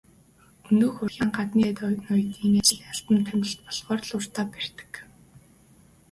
Өнөөх урлагийнхныгаа гаднын сайд ноёдын айлчлал, албан томилолт болохоор л урдаа барьдаг.